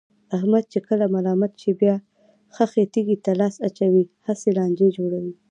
احمد چې کله ملامت شي، بیا خښې تیګې ته لاس اچوي، هسې لانجې جوړوي.